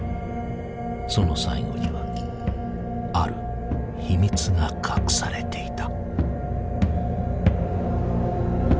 その最期にはある秘密が隠されていた。